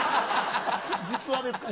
実話ですか？